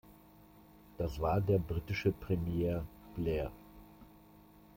Das war der britische Premier Blair.